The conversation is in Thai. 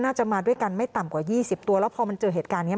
น่าจะมาด้วยกันไม่ต่ำกว่า๒๐ตัวแล้วพอมันเจอเหตุการณ์นี้